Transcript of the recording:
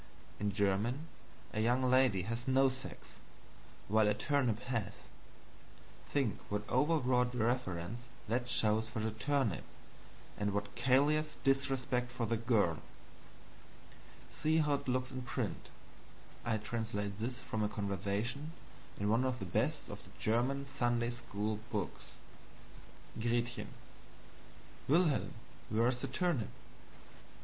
In German, a young lady has no sex, while a turnip has. Think what overwrought reverence that shows for the turnip, and what callous disrespect for the girl. See how it looks in print I translate this from a conversation in one of the best of the German Sunday school books: "Gretchen. Wilhelm, where is the turnip?